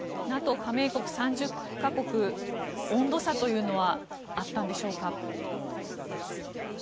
ＮＡＴＯ加盟国３０か国温度差というのはあったんでしょうか。